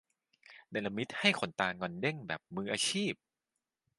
เนรมิตให้ขนตางอนเด้ง แบบมืออาชีพ